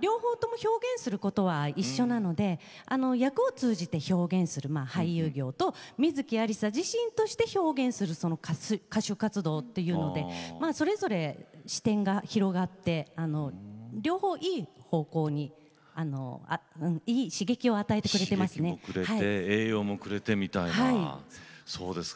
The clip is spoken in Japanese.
両方とも表現することは一緒ですので役を通じて表現する俳優業と観月ありさ自身として表現する歌手活動というのでそれぞれ視点が広がって両方いい方向にいい刺激を与えてくれていると思います。